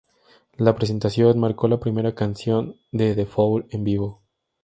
La presentación marcó la primera canción de The Fall en vivo.